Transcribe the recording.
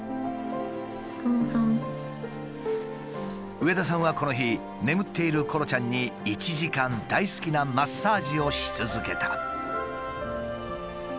上田さんはこの日眠っているコロちゃんに１時間大好きなマッサージをし続けた。